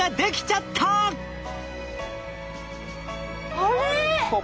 あれ？